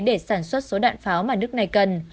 để sản xuất số đạn pháo mà nước này cần